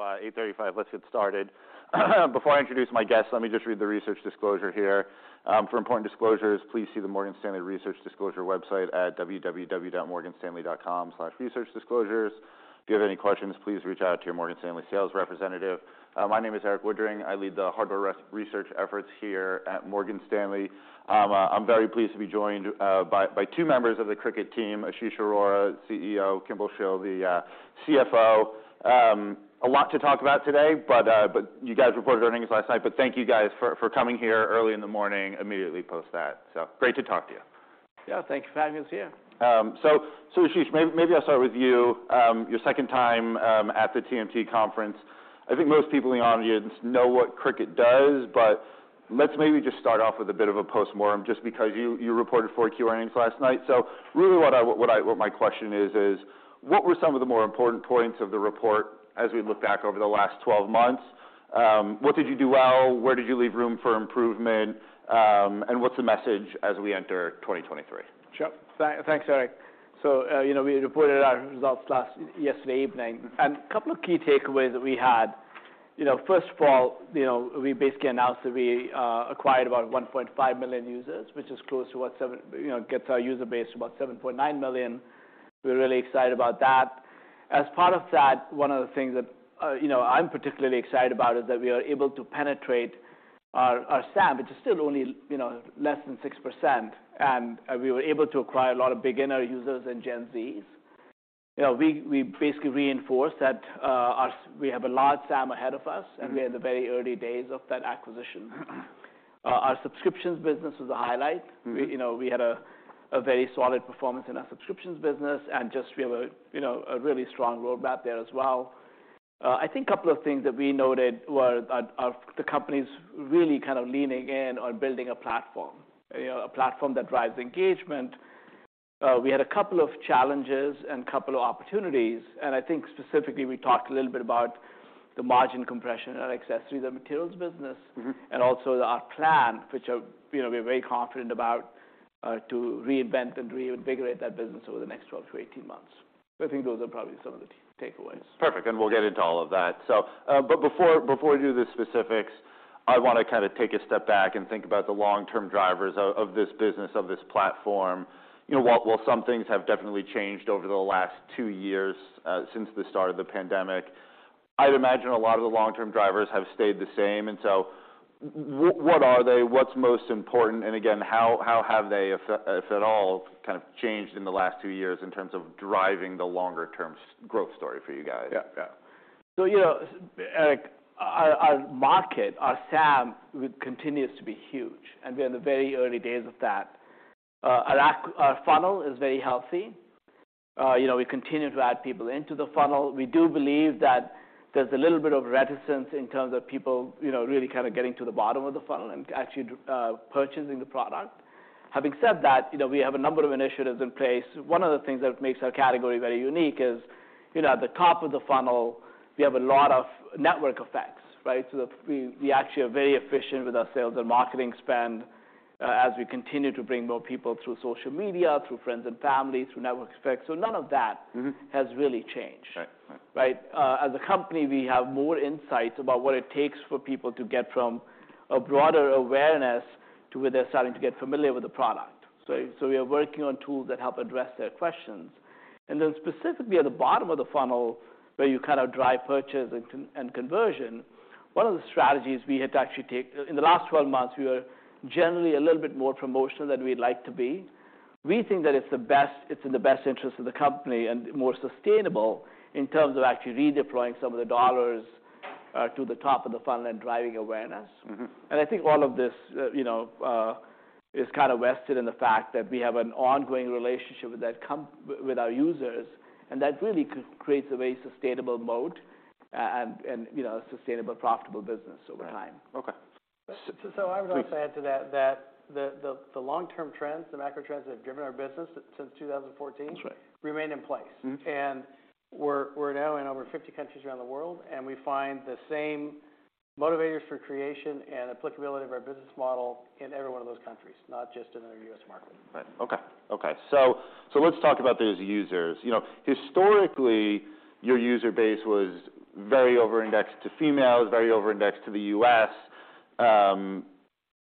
8:35, let's get started. Before I introduce my guests, let me just read the research disclosure here. For important disclosures, please see the Morgan Stanley Research Disclosure website at www.morganstanley.com/researchdisclosures. If you have any questions, please reach out to your Morgan Stanley sales representative. My name is Erik Woodring. I lead the hardware research efforts here at Morgan Stanley. I'm very pleased to be joined by two members of the Cricut team, Ashish Arora, CEO, Kimball Shill, the CFO. A lot to talk about today, but you guys reported earnings last night. Thank you guys for coming here early in the morning immediately post that. Great to talk to you. Yeah, thank you for having us here. Ashish, I'll start with you. Your second time at the TMT conference. I think most people in the audience know what Cricut does, but let's maybe just start off with a bit of a postmortem just because you reported 4Q earnings last night. Really what my question is what were some of the more important points of the report as we look back over the last 12 months? What did you do well? Where did you leave room for improvement? What's the message as we enter 2023? Sure. Thanks, Erik. You know, we reported our results yesterday evening. Mm-hmm. A couple of key takeaways that we had, you know, first of all, you know, we basically announced that we acquired about 1.5 million users, which is close to what, you know, gets our user base to about 7.9 million. We're really excited about that. As part of that, one of the things that, you know, I'm particularly excited about is that we are able to penetrate our SAM, which is still only, you know, less than 6%, and we were able to acquire a lot of beginner users and Gen Zs. You know, we basically reinforced that we have a large SAM ahead of us. Mm-hmm We're in the very early days of that acquisition. Our subscriptions business was a highlight. Mm-hmm. We, you know, we had a very solid performance in our subscriptions business and just we have a, you know, a really strong roadmap there as well. I think a couple of things that we noted were that the company's really kind of leaning in on building a platform, you know, a platform that drives engagement. We had a couple of challenges and a couple of opportunities, and I think specifically we talked a little bit about the margin compression in our accessories and materials business. Mm-hmm. ...and also our plan, which, you know, we're very confident about, to reinvent and reinvigorate that business over the next 12-18 months. I think those are probably some of the takeaways. Perfect, we'll get into all of that. But before we do the specifics, I wanna kinda take a step back and think about the long-term drivers of this business, of this platform. You know, while some things have definitely changed over the last two years, since the start of the pandemic, I'd imagine a lot of the long-term drivers have stayed the same. What are they, what's most important, and again, how have they, if at all, kind of changed in the last two years in terms of driving the longer term growth story for you guys? Yeah. Yeah, you know, Erik, our market, our SAM, continues to be huge, and we're in the very early days of that. Our funnel is very healthy. You know, we continue to add people into the funnel. We do believe that there's a little bit of reticence in terms of people, you know, really kind of getting to the bottom of the funnel and actually purchasing the product. Having said that, you know, we have a number of initiatives in place. One of the things that makes our category very unique is, you know, at the top of the funnel, we have a lot of network effects, right? We, we actually are very efficient with our sales and marketing spend as we continue to bring more people through social media, through friends and family, through network effects. None of that. Mm-hmm ...has really changed. Right. Right. Right? As a company, we have more insights about what it takes for people to get from a broader awareness to where they're starting to get familiar with the product. We are working on tools that help address their questions. Specifically at the bottom of the funnel, where you kind of drive purchase and conversion, one of the strategies we had to actually take In the last 12 months, we were generally a little bit more promotional than we'd like to be. We think that it's in the best interest of the company and more sustainable in terms of actually redeploying some of the dollars to the top of the funnel and driving awareness. Mm-hmm. I think all of this, you know, is kind of vested in the fact that we have an ongoing relationship with that with our users, and that really creates a very sustainable moat, and, you know, a sustainable, profitable business over time. Right. Okay. I would also add to that the long-term trends, the macro trends that have driven our business since 2014. That's right. ...remain in place. Mm-hmm. We're now in over 50 countries around the world, and we find the same motivators for creation and applicability of our business model in every one of those countries, not just in our U.S. market. Right. Okay. Okay. Let's talk about those users. You know, historically, your user base was very over-indexed to females, very over-indexed to the U.S.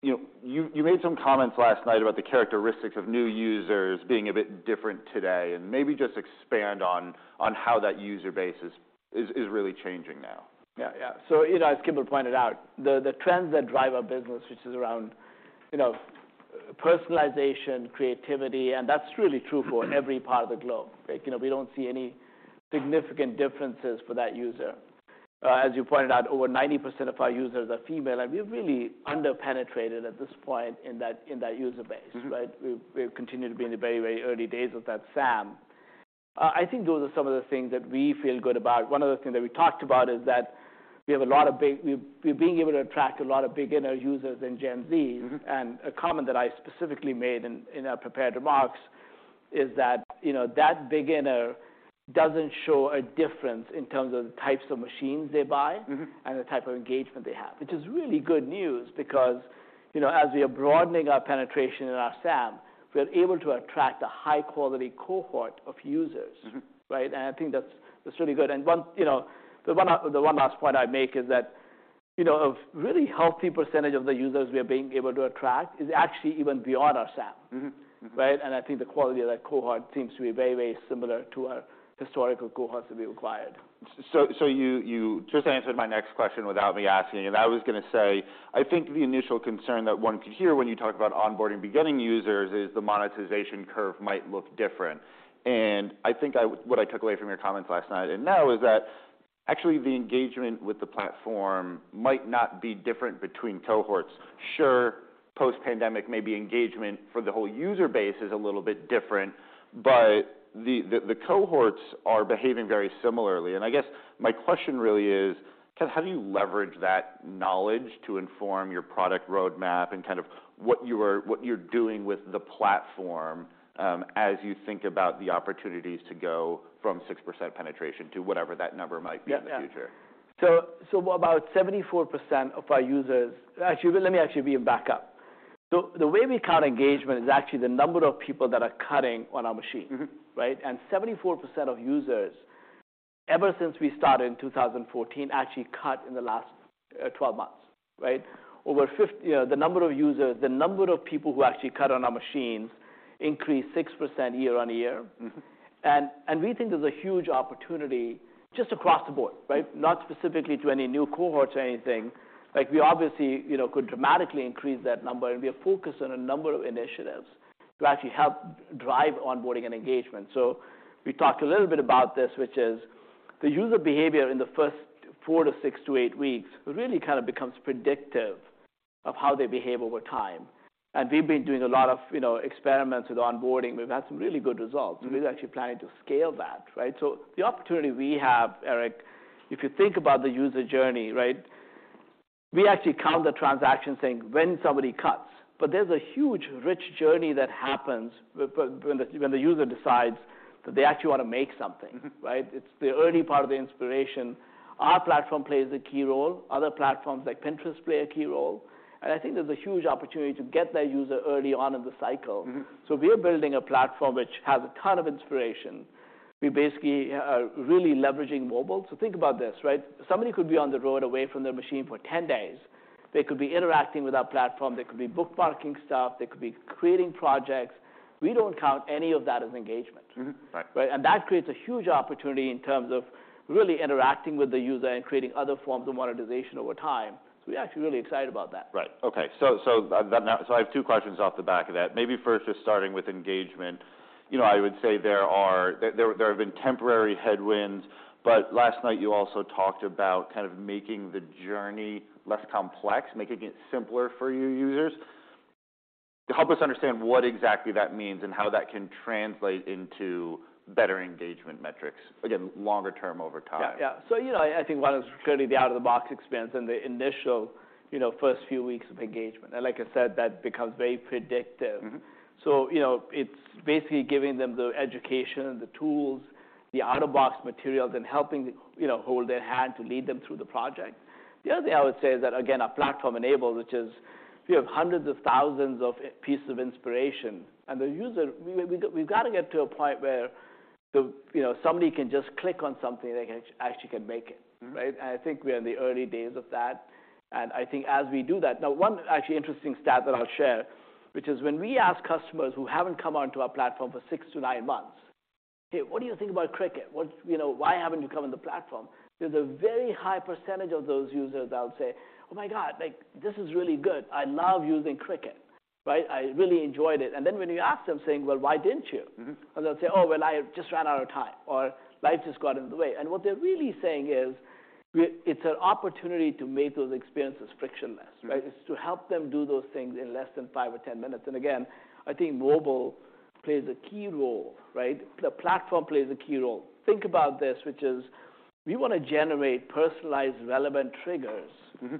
You know, you made some comments last night about the characteristics of new users being a bit different today, and maybe just expand on how that user base is really changing now. Yeah. Yeah. You know, as Kimball pointed out, the trends that drive our business, which is around, you know, personalization, creativity, That's really true for every part of the globe, right? You know, we don't see any significant differences for that user. As you pointed out, over 90% of our users are female, We're really under-penetrated at this point in that user base. Mm-hmm. Right? We've continued to be in the very early days of that SAM. I think those are some of the things that we feel good about. One of the things that we talked about is that we have a lot of beginner users in Gen Z. Mm-hmm. A comment that I specifically made in our prepared remarks is that, you know, that beginner doesn't show a difference in terms of the types of machines they buy. Mm-hmm. ...and the type of engagement they have, which is really good news. You know, as we are broadening our penetration in our SAM, we're able to attract a high-quality cohort of users. Mm-hmm. Right? I think that's really good. One, you know, the one last point I'd make is that, you know, a really healthy percentage of the users we are being able to attract is actually even beyond our SAM. Mm-hmm. Mm-hmm. Right? I think the quality of that cohort seems to be very, very similar to our historical cohorts that we acquired. You just answered my next question without me asking you. I was gonna say, I think the initial concern that one could hear when you talk about onboarding beginning users is the monetization curve might look different. I think what I took away from your comments last night and now is that actually, the engagement with the platform might not be different between cohorts. Sure, post-pandemic, maybe engagement for the whole user base is a little bit different, but the cohorts are behaving very similarly. I guess my question really is, kind of how do you leverage that knowledge to inform your product roadmap and kind of what you are, what you're doing with the platform, as you think about the opportunities to go from 6% penetration to whatever that number might be. Yeah. In the future? About 74% of our users. Actually, let me actually maybe back up. The way we count engagement is actually the number of people that are cutting on our machine. Mm-hmm. Right? 74% of users, ever since we started in 2014, actually cut in the last 12 months, right? You know, the number of users, the number of people who actually cut on our machines increased 6% year-over-year. Mm-hmm. We think there's a huge opportunity just across the board, right? Not specifically to any new cohorts or anything. We obviously, you know, could dramatically increase that number, and we are focused on a number of initiatives to actually help drive onboarding and engagement. We talked a little bit about this, which is the user behavior in the first four to six to eight weeks really kind of becomes predictive of how they behave over time, and we've been doing a lot of, you know, experiments with onboarding. We've had some really good results. Mm-hmm. We're actually planning to scale that, right? The opportunity we have, Erik, if you think about the user journey, right, we actually count the transaction saying when somebody cuts, but there's a huge, rich journey that happens when the user decides that they actually wanna make something. Mm-hmm. Right? It's the early part of the inspiration. Our platform plays a key role. Other platforms like Pinterest play a key role. I think there's a huge opportunity to get that user early on in the cycle. Mm-hmm. We are building a platform which has a ton of inspiration. We basically are really leveraging mobile. Think about this, right? Somebody could be on the road away from their machine for 10 days. They could be interacting with our platform. They could be bookmarking stuff. They could be creating projects. We don't count any of that as engagement. Mm-hmm. Right. Right? And that creates a huge opportunity in terms of really interacting with the user and creating other forms of monetization over time, so we're actually really excited about that. Right. Okay. That now. I have two questions off the back of that. Maybe first just starting with engagement. You know, I would say there have been temporary headwinds, but last night you also talked about kind of making the journey less complex, making it simpler for your users. Help us understand what exactly that means and how that can translate into better engagement metrics, again, longer term over time. Yeah. You know, I think one is clearly the out-of-the-box experience and the initial, you know, first few weeks of engagement, and like I said, that becomes very predictive. Mm-hmm. You know, it's basically giving them the education, the tools, the out-of-box materials, and helping, you know, hold their hand to lead them through the project. The other thing I would say is that, again, our platform enabled, which is we have hundreds of thousands of pieces of inspiration, and the user. We got to get to a point where, you know, somebody can just click on something, they can actually make it, right? Mm-hmm. I think we are in the early days of that, and I think as we do that. Now, one actually interesting stat that I'll share, which is when we ask customers who haven't come onto our platform for six to nine months, "Okay, what do you think about Cricut? You know, why haven't you come on the platform?" There's a very high percentage of those users that'll say, "Oh my God, like, this is really good. I love using Cricut," right? "I really enjoyed it." Then when you ask them saying, "Well, why didn't you?" Mm-hmm. They'll say, "Oh, well, I just ran out of time," or, "Life just got in the way." What they're really saying is it's an opportunity to make those experiences frictionless, right? Right. It's to help them do those things in less than five or 10 minutes. Again, I think mobile plays a key role, right? The platform plays a key role. Think about this, which is we wanna generate personalized, relevant triggers. Mm-hmm.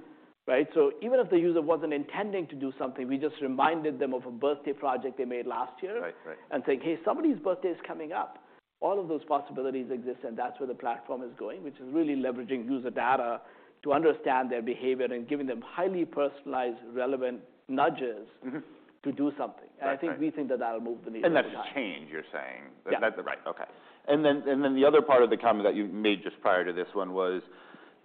Right? Even if the user wasn't intending to do something, we just reminded them of a birthday project they made last year. Right. Right. And think, "Hey, somebody's birthday is coming up." All of those possibilities exist, and that's where the platform is going, which is really leveraging user data to understand their behavior and giving them highly personalized, relevant nudges- Mm-hmm.... to do something. Right. Right. I think we think that that'll move the needle over time. That's change, you're saying? Yeah. Right. Okay. The other part of the comment that you made just prior to this one was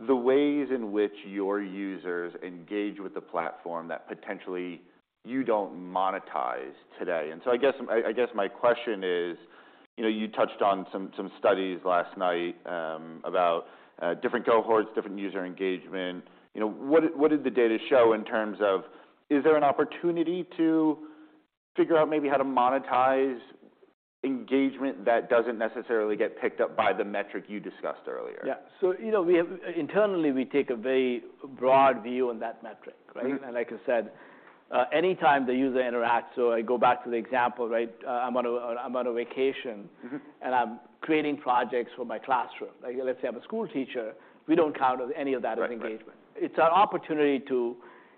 the ways in which your users engage with the platform that potentially you don't monetize today. I guess my question is, you know, you touched on some studies last night about different cohorts, different user engagement. You know, what did the data show in terms of is there an opportunity to figure out maybe how to monetize engagement that doesn't necessarily get picked up by the metric you discussed earlier? Yeah. You know, Internally, we take a very broad view on that metric, right? Mm-hmm. Like I said, anytime the user interacts, I go back to the example, right? I'm on a vacation. Mm-hmm. And I'm creating projects for my classroom. Like, let's say I'm a school teacher. We don't count any of that as engagement. Right. Right. It's an opportunity to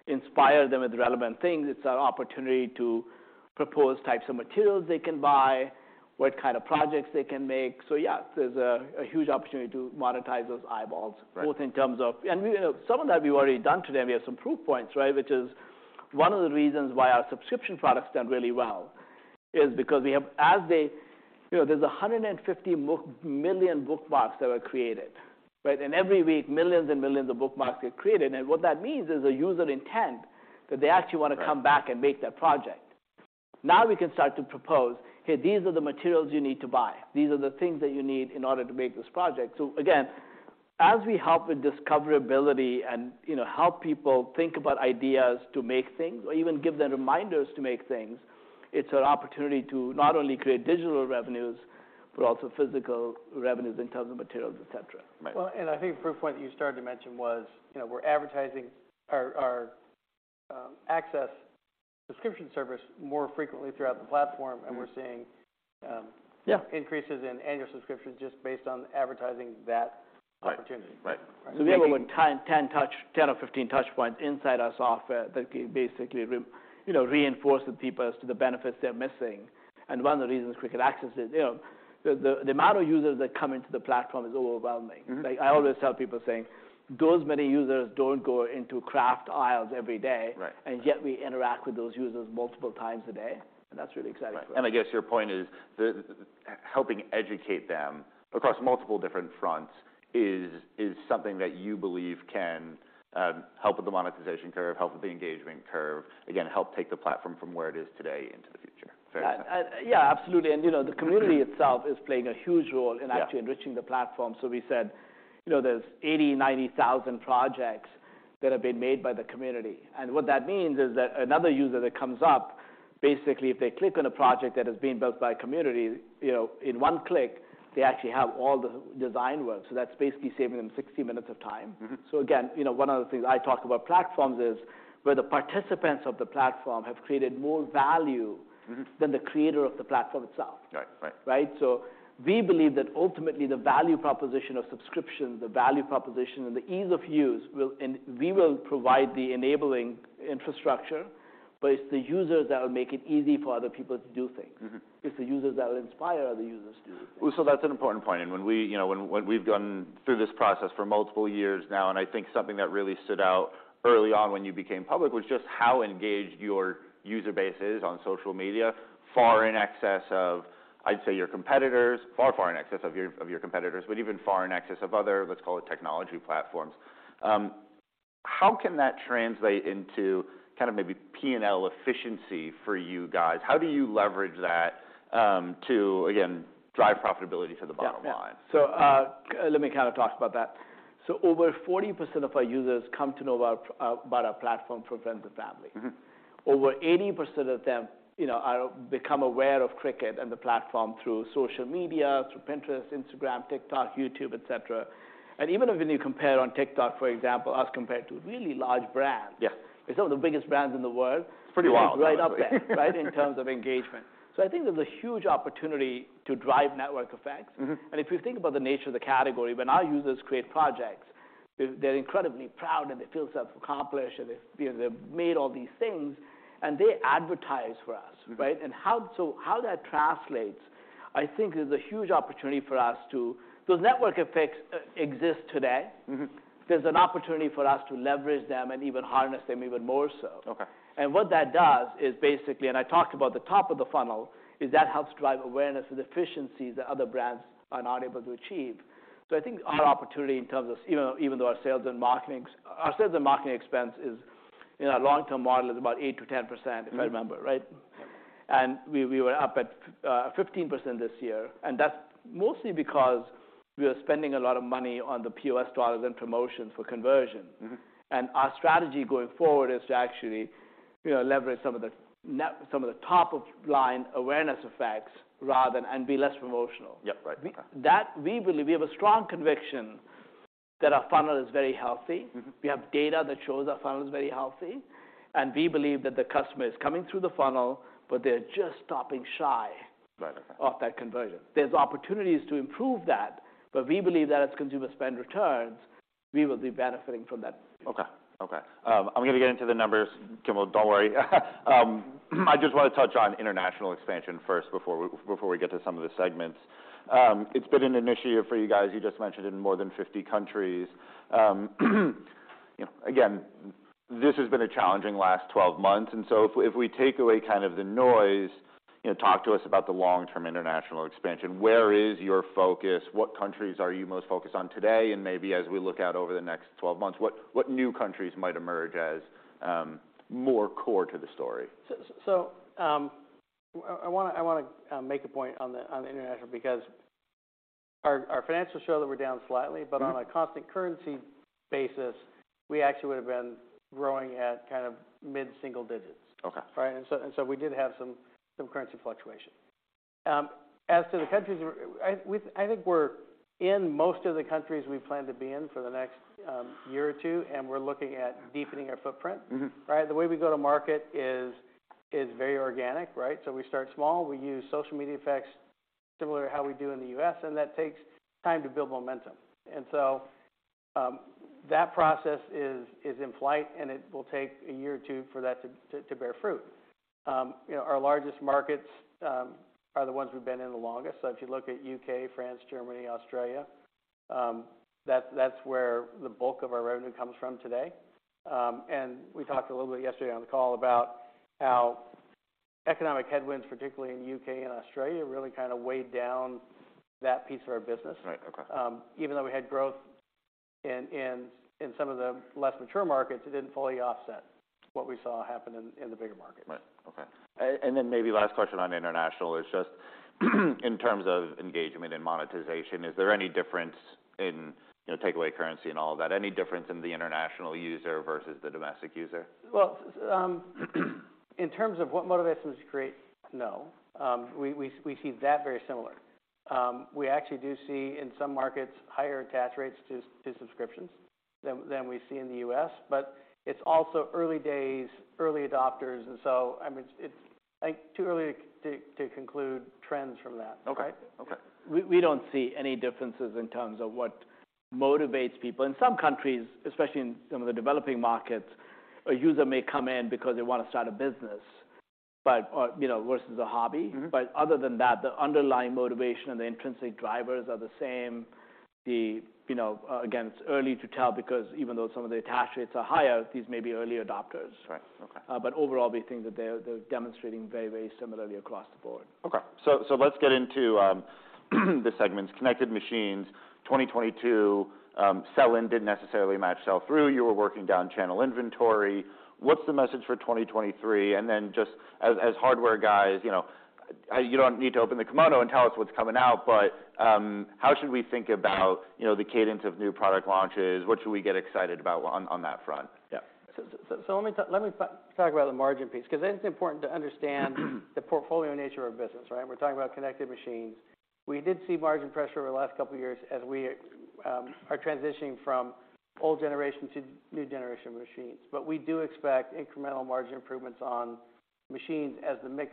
inspire them with relevant things. It's an opportunity to propose types of materials they can buy, what kind of projects they can make. Yeah, there's a huge opportunity to monetize those eyeballs. Right.... both in terms of... We, you know, some of that we've already done today, and we have some proof points, right? Which is one of the reasons why our subscription products done really well is because we have... As they, you know, there's 150 million bookmarks that were created, right? Every week, millions and millions of bookmarks get created, and what that means is a user intent that they actually. Right.... come back and make that project. We can start to propose, "Hey, these are the materials you need to buy. These are the things that you need in order to make this project." Again, as we help with discoverability and, you know, help people think about ideas to make things or even give them reminders to make things, it's an opportunity to not only create digital revenues, but also physical revenues in terms of materials, et cetera. Right. I think proof point that you started to mention was, you know, we're advertising our Access subscription service more frequently throughout the platform. Mm-hmm. We're seeing. Yeah.... increases in annual subscriptions just based on advertising that opportunity. Right. Right. Right. We have about 10 or 15 touch points inside our software that can basically you know, reinforce with people as to the benefits they're missing. One of the reasons Cricut Access is, you know, the amount of users that come into the platform is overwhelming. Mm-hmm. Like I always tell people saying, "Those many users don't go into craft aisles every day. Right. Yet we interact with those users multiple times a day," and that's really exciting for us. Right. I guess your point is the helping educate them across multiple different fronts is something that you believe can help with the monetization curve, help with the engagement curve, again, help take the platform from where it is today into the future. Fair enough. Yeah, absolutely. you know, the community itself is playing a huge role in Yeah... enriching the platform. We said, you know, there's 80,000-90,000 projects that have been made by the community. What that means is that another user that comes up, basically, if they click on a project that has been built by community, you know, in one click they actually have all the design work. That's basically saving them 60 minutes of time. Mm-hmm. Again, you know, one of the things I talk about platforms is where the participants of the platform have created more value... Mm-hmm. Than the creator of the platform itself. Right. Right. Right? We believe that ultimately the value proposition of subscription, the value proposition, and the ease of use will. We will provide the enabling infrastructure, but it's the users that will make it easy for other people to do things. Mm-hmm. It's the users that will inspire other users to do things. That's an important point. When we, you know, when we've gone through this process for multiple years now, and I think something that really stood out early on when you became public was just how engaged your user base is on social media, far in excess of, I'd say, your competitors. Far in excess of your competitors, even far in excess of other, let's call it, technology platforms. How can that translate into kind of maybe P&L efficiency for you guys? How do you leverage that to, again, drive profitability to the bottom line? Yeah. Yeah. Let me kind of talk about that. Over 40% of our users come to know about our platform from friends and family. Mm-hmm. Over 80% of them, you know, are become aware of Cricut and the platform through social media, through Pinterest, Instagram, TikTok, YouTube, et cetera. Even if, when you compare on TikTok, for example, us compared to really large brands- Yeah.... some of the biggest brands in the world. It's pretty wild, honestly.... we're right up there, right, in terms of engagement. I think there's a huge opportunity to drive network effects. Mm-hmm. If you think about the nature of the category, when our users create projects, they're incredibly proud and they feel so accomplished and they feel they've made all these things and they advertise for us, right? Mm-hmm. How that translates, I think there's a huge opportunity for us. Those network effects exist today. Mm-hmm. There's an opportunity for us to leverage them and even harness them even more so. Okay. What that does is basically, and I talked about the top of the funnel, is that helps drive awareness with efficiencies that other brands are not able to achieve. I think our opportunity in terms of, you know, even though our sales and marketing expense is, in our long-term model, is about 8%-10%, if I remember. Right? Mm-hmm. We were up at 15% this year, and that's mostly because we are spending a lot of money on the POS dollars and promotions for conversion. Mm-hmm. Our strategy going forward is to actually, you know, leverage some of the top of line awareness effects rather than. Be less promotional. Yep. Right. Okay. That, we believe, we have a strong conviction that our funnel is very healthy. Mm-hmm. We have data that shows our funnel is very healthy, and we believe that the customer is coming through the funnel, but they're just stopping. Right. Okay. of that conversion. There's opportunities to improve that, but we believe that as consumer spend returns, we will be benefiting from that. Okay. Okay. I'm gonna get into the numbers, Kimball, don't worry. I just wanna touch on international expansion first before we get to some of the segments. It's been an initial year for you guys. You just mentioned in more than 50 countries. You know, again, this has been a challenging last 12 months, if we take away kind of the noise, you know, talk to us about the long-term international expansion. Where is your focus? What countries are you most focused on today? Maybe as we look out over the next 12 months, what new countries might emerge as more core to the story? I wanna make a point on the international because our financials show that we're down slightly... Mm-hmm. On a constant currency basis, we actually would've been growing at kind of mid-single digits. Okay. Right? We did have some currency fluctuation. As to the countries I think we're in most of the countries we plan to be in for the next year or two, and we're looking at deepening our footprint. Mm-hmm. Right. The way we go to market is very organic, right. We start small. We use social media effects similar to how we do in the U.S., and that takes time to build momentum. That process is in flight, and it will take a year or two for that to bear fruit. You know, our largest markets are the ones we've been in the longest. If you look at U.K., France, Germany, Australia, that's where the bulk of our revenue comes from today. We talked a little bit yesterday on the call about how economic headwinds, particularly in U.K. and Australia, really kinda weighed down that piece of our business. Right. Okay. Even though we had growth in some of the less mature markets, it didn't fully offset what we saw happen in the bigger markets. Right. Okay. Then maybe last question on international is just, in terms of engagement and monetization, is there any difference in, you know, take away currency and all that, any difference in the international user versus the domestic user? Well, in terms of what motivates them to create, no. We see that very similar. We actually do see, in some markets, higher attach rates to subscriptions than we see in the U.S., but it's also early days, early adopters, I mean, it's like too early to conclude trends from that. Okay. Okay. We don't see any differences in terms of what motivates people. In some countries, especially in some of the developing markets, a user may come in because they wanna start a business, or, you know, versus a hobby. Mm-hmm. Other than that, the underlying motivation and the intrinsic drivers are the same. The, you know, again, it's early to tell because even though some of the attach rates are higher, these may be early adopters. Right. Okay. Overall, we think that they're demonstrating very, very similarly across the board. Okay. Let's get into the segments. Connected machines, 2022, sell in didn't necessarily match sell through. You were working down channel inventory. What's the message for 2023? Just as hardware guys, you know, you don't need to open the kimono and tell us what's coming out, but how should we think about, you know, the cadence of new product launches? What should we get excited about on that front? Yeah. So let me talk about the margin piece 'cause I think it's important to understand the portfolio nature of our business, right? We're talking about connected machines. We did see margin pressure over the last couple of years as we are transitioning from old generation to new generation machines, but we do expect incremental margin improvements on machines as the mix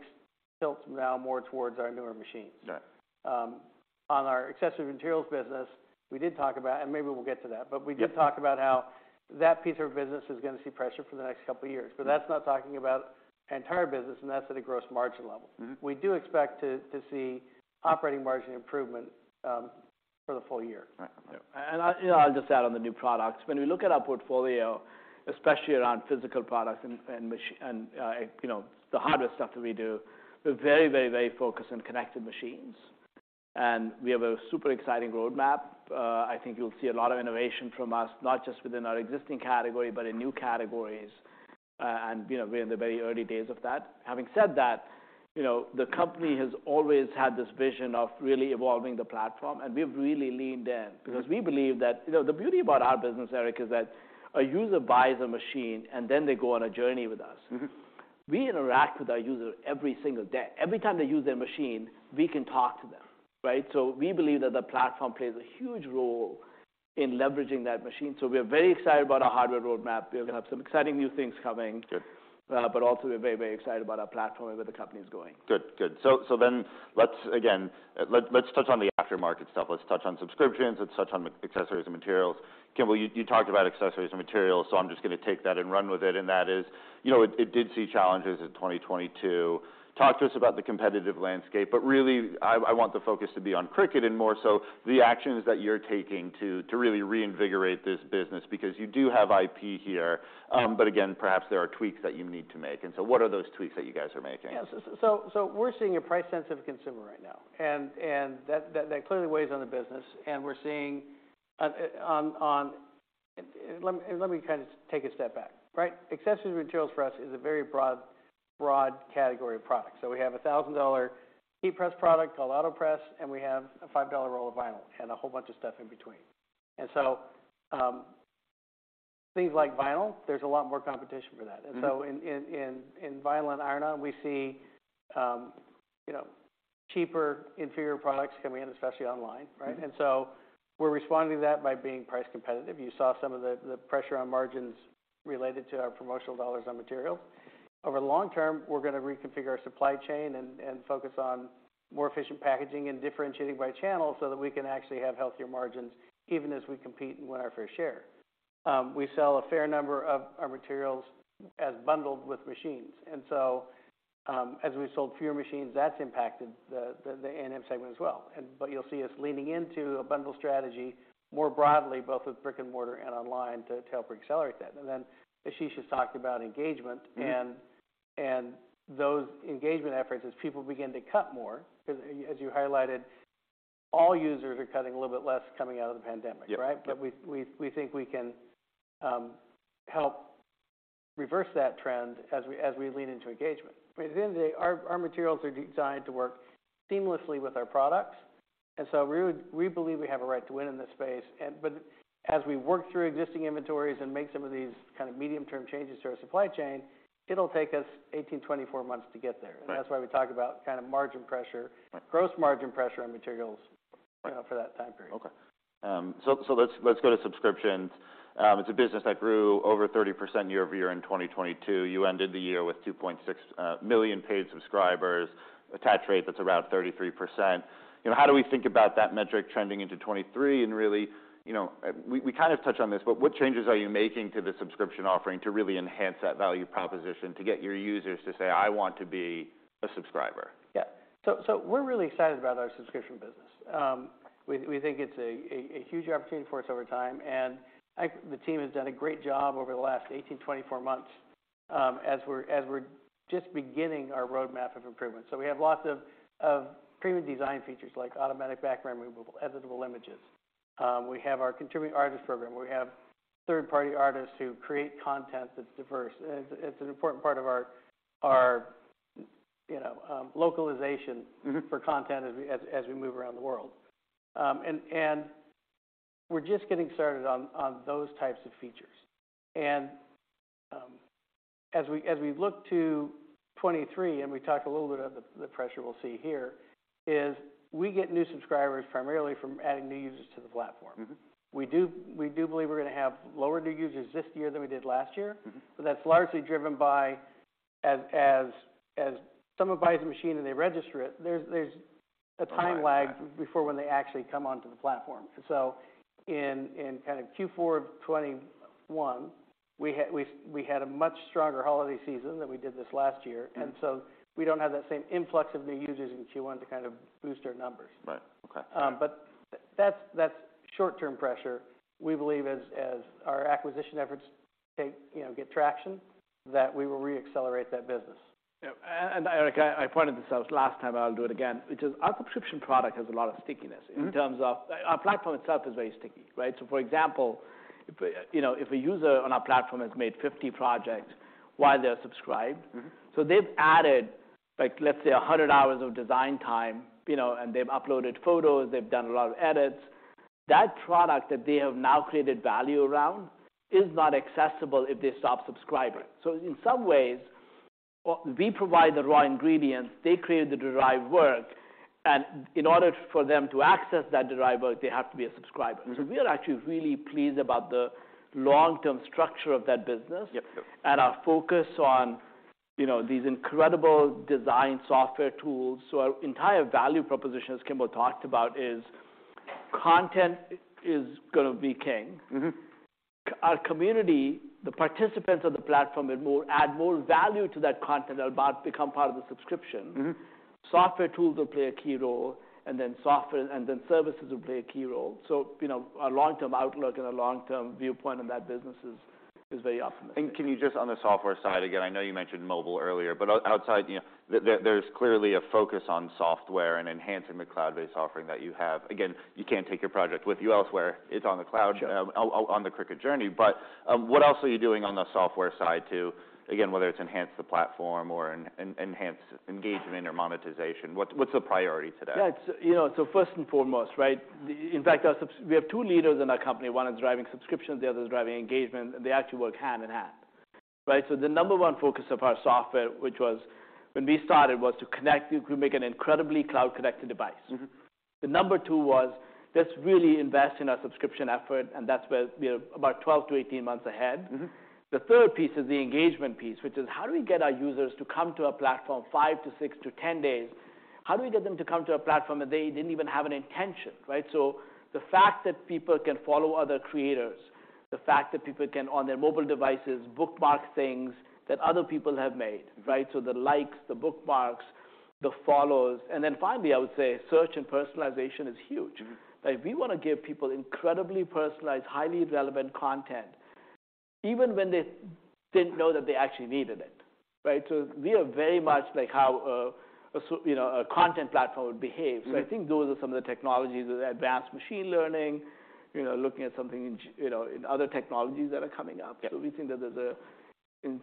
tilts now more towards our newer machines. Got it. On our accessories and materials business, we did talk about, and maybe we'll get to that. Yeah.... we did talk about how that piece of our business is gonna see pressure for the next couple of years, but that's not talking about the entire business, and that's at a gross margin level. Mm-hmm. We do expect to see operating margin improvement for the full year. Right. Okay. I, you know, I'll just add on the new products. When we look at our portfolio, especially around physical products and, you know, the hardware stuff that we do, we're very, very, very focused on connected machines, and we have a super exciting roadmap. I think you'll see a lot of innovation from us, not just within our existing category, but in new categories. You know, we're in the very early days of that. Having said that, you know, the company has always had this vision of really evolving the platform, and we've really leaned in. Mm-hmm. We believe that... You know, the beauty about our business, Erik, is that a user buys a machine, and then they go on a journey with us. Mm-hmm. We interact with our user every single day. Every time they use their machine, we can talk to them, right? We believe that the platform plays a huge role in leveraging that machine. We're very excited about our hardware roadmap. We're gonna have some exciting new things coming. Good. Also we're very excited about our platform and where the company is going. Good. Good. Let's, again, touch on the aftermarket stuff. Let's touch on subscriptions. Let's touch on accessories and materials. Kimball Shill, you talked about accessories and materials, so I'm just gonna take that and run with it, and that is, you know, it did see challenges in 2022. Talk to us about the competitive landscape, but really, I want the focus to be on Cricut and more so the actions that you're taking to really reinvigorate this business because you do have IP here. But again, perhaps there are tweaks that you need to make. What are those tweaks that you guys are making? Yeah. We're seeing a price-sensitive consumer right now, and that clearly weighs on the business. Let me kind of take a step back, right? Accessories and materials for us is a very broad category of products. We have a $1,000 heat press product called Autopress, and we have a $5 roll of vinyl and a whole bunch of stuff in between. Things like vinyl, there's a lot more competition for that. Mm-hmm. In vinyl and iron-on, we see, you know, cheaper inferior products coming in, especially online, right? Mm-hmm. We're responding to that by being price competitive. You saw some of the pressure on margins related to our promotional dollars on materials. Over the long term, we're gonna reconfigure our supply chain and focus on more efficient packaging and differentiating by channel so that we can actually have healthier margins even as we compete and win our fair share. We sell a fair number of our materials as bundled with machines. As we've sold fewer machines, that's impacted the A&M segment as well. You'll see us leaning into a bundle strategy more broadly, both with brick and mortar and online to help accelerate that. Ashish has talked about engagement. Mm-hmm.... and those engagement efforts, as people begin to cut more, 'cause as you highlighted, all users are cutting a little bit less coming out of the pandemic, right? Yeah. Yeah. We think we can help reverse that trend as we lean into engagement. At the end of the day, our materials are designed to work seamlessly with our products. We believe we have a right to win in this space. As we work through existing inventories and make some of these kind of medium term changes to our supply chain, it'll take us 18-24 months to get there. Right. That's why we talk about kind of margin pressure. Right.... gross margin pressure on materials- Right.... you know, for that time period. Okay. Let's go to subscriptions. It's a business that grew over 30% year-over-year in 2022. You ended the year with 2.6 million paid subscribers. Attach rate, that's around 33%. You know, how do we think about that metric trending into 2023? Really, you know, we kind of touched on this, but what changes are you making to the subscription offering to really enhance that value proposition to get your users to say, "I want to be a subscriber"? Yeah. We're really excited about our subscription business. We think it's a huge opportunity for us over time, and the team has done a great job over the last 18, 24 months, as we're just beginning our roadmap of improvements. We have lots of premium design features like automatic background removal, editable images. We have our contributing artist program, where we have third-party artists who create content that's diverse. It's an important part of our, you know, localization for content as we move around the world. We're just getting started on those types of features. As we look to 2023 and we talk a little bit of the pressure we'll see here, is we get new subscribers primarily from adding new users to the platform. Mm-hmm. We do believe we're going to have lower new users this year than we did last year. Mm-hmm. That's largely driven by as someone buys a machine and they register it, there's a time lag. Right. Before when they actually come onto the platform. In kind of Q4 of 2021, we had a much stronger holiday season than we did this last year. Mm-hmm. we don't have that same influx of new users in Q1 to kind of boost our numbers. Right. Okay. That's short-term pressure. We believe as our acquisition efforts you know, get traction, that we will re-accelerate that business. Yeah. Erik, I pointed this out last time, I'll do it again, which is our subscription product has a lot of stickiness... Mm-hmm.... in terms of our platform itself is very sticky, right? For example, if a, you know, if a user on our platform has made 50 projects while they're subscribed. Mm-hmm. They've added like let's say 100 hours of design time, you know, and they've uploaded photos, they've done a lot of edits. That product that they have now created value around is not accessible if they stop subscribing. In some ways, what we provide the raw ingredients, they create the derived work, and in order for them to access that derived work, they have to be a subscriber. We are actually really pleased about the long-term structure of that business- Yep. Yep.... and our focus on, you know, these incredible design software tools. Our entire value proposition, as Kimball talked about, is content is gonna be king. Mm-hmm. Our community, the participants of the platform add more value to that content are about to become part of the subscription. Mm-hmm. Software tools will play a key role, and then software and then services will play a key role. You know, our long-term outlook and our long-term viewpoint on that business is very optimistic. Can you just on the software side, again, I know you mentioned mobile earlier, but outside, you know, there's clearly a focus on software and enhancing the cloud-based offering that you have. Again, you can't take your project with you elsewhere. It's on the cloud- Sure.... on the Cricut journey. What else are you doing on the software side to, again, whether it's enhance the platform or enhance engagement or monetization, what's the priority today? Yeah. It's, you know, first and foremost, right? In fact, we have two leaders in our company. One is driving subscriptions, the other is driving engagement. They actually work hand-in-hand, right? The number one focus of our software, which was when we started, was to connect. We make an incredibly cloud-connected device. Mm-hmm. The number two was let's really invest in our subscription effort, and that's where we are about 12-18 months ahead. Mm-hmm. The third piece is the engagement piece, which is how do we get our users to come to our platform five to six to 10 days? How do we get them to come to our platform if they didn't even have an intention, right? The fact that people can follow other creators, the fact that people can, on their mobile devices, bookmark things that other people have made, right? The likes, the bookmarks, the follows. Finally, I would say search and personalization is huge. Mm-hmm. We wanna give people incredibly personalized, highly relevant content, even when they didn't know that they actually needed it, right? We are very much like how a you know, a content platform would behave. Mm-hmm. I think those are some of the technologies, the advanced machine learning, you know, looking at something in you know, in other technologies that are coming up. Yeah. We think that there's an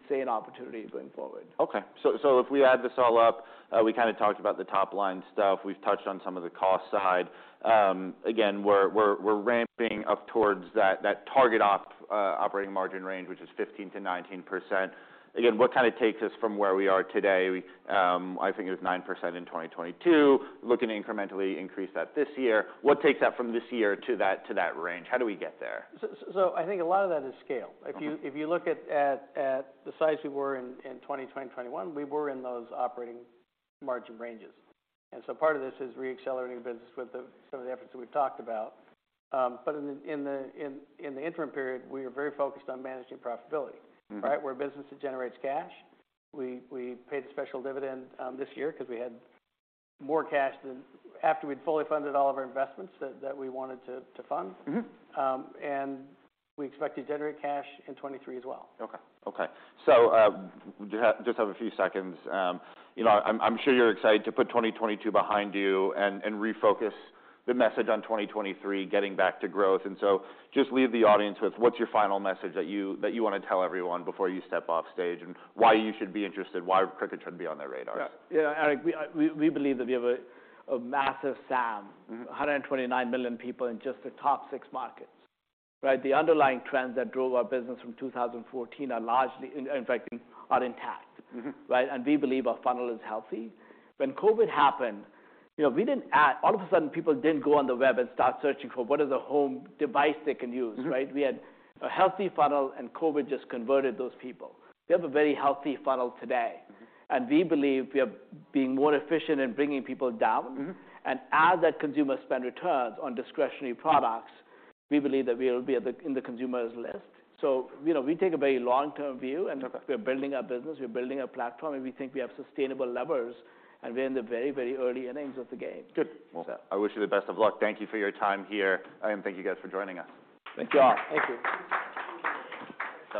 insane opportunity going forward. Okay. If we add this all up, we kinda talked about the top line stuff. We've touched on some of the cost side. Again, we're ramping up towards that target op operating margin range, which is 15%-19%. Again, what kind of takes us from where we are today, we, I think it was 9% in 2022, looking to incrementally increase that this year. What takes that from this year to that, to that range? How do we get there? I think a lot of that is scale. Okay. If you look at the size we were in 2020 2021, we were in those operating margin ranges. Part of this is re-accelerating the business with some of the efforts that we've talked about. In the interim period, we are very focused on managing profitability, right? Mm-hmm. We're a business that generates cash. We paid a special dividend this year 'cause we had more cash than after we'd fully funded all of our investments that we wanted to fund. Mm-hmm. We expect to generate cash in 2023 as well. Okay. Okay. Just have a few seconds. you know, I'm sure you're excited to put 2022 behind you and refocus the message on 2023, getting back to growth. Just leave the audience with what's your final message that you wanna tell everyone before you step off stage, and why you should be interested, why Cricut should be on their radar? Yeah. Yeah, Erik, we believe that we have a massive SAM. Mm-hmm. 129 million people in just the top six markets, right? The underlying trends that drove our business from 2014 are largely, in fact, are intact. Mm-hmm. Right? We believe our funnel is healthy. When COVID happened, you know, we didn't all of a sudden, people didn't go on the web and start searching for what is a home device they can use, right? Mm-hmm. We had a healthy funnel, and COVID just converted those people. We have a very healthy funnel today. Mm-hmm. We believe we are being more efficient in bringing people down. Mm-hmm. As that consumer spend returns on discretionary products, we believe that we'll be in the consumer's list. You know, we take a very long-term view. Okay.... we're building our business, we're building our platform, and we think we have sustainable levers, and we're in the very, very early innings of the game. Good. I wish you the best of luck. Thank you for your time here, and thank you guys for joining us. Thank you. Thank you.